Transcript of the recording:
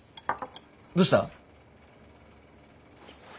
どうした？